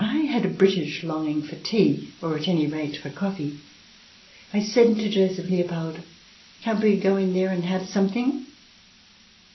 I had a British longing for tea, or at any rate for coffee. I said to Joseph Leopold :" Can't we go in there and have something